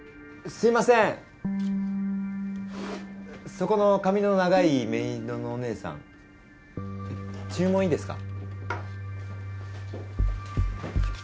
そこの髪の長いメイドのお姉さん注文いいですか？